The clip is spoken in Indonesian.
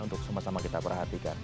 untuk kita semua sama perhatikan